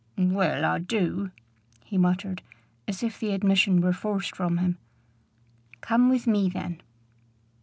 "Well, I do," he muttered, as if the admission were forced from him. "Come with me, then."